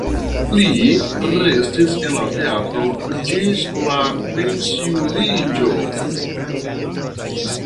Li restis en la teatro ĝis la pensiuliĝo.